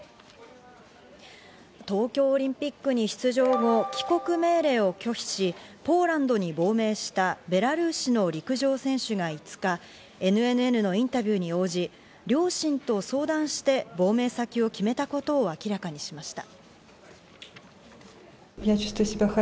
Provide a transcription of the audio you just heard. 東京オリンピックに出場後、帰国命令を拒否し、ポーランドに亡命したベラルーシの陸上選手が５日、ＮＮＮのインタビューに応じ、両親と相談をして亡命先を決めたことを明らかにしました。